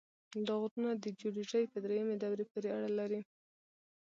دا غرونه د جیولوژۍ په دریمې دورې پورې اړه لري.